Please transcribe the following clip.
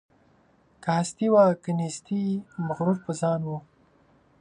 که هستي وه که نیستي مغرور په ځان وو